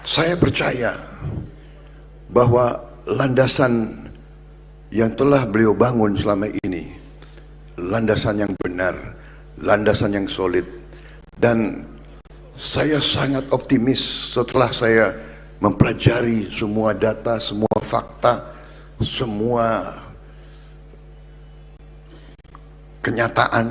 saya berkata saya berkata saya berkata